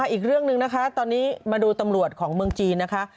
อีกเรื่องหนึ่งนะคะตอนนี้มาดูตำรวจของเมืองจีนนะคะ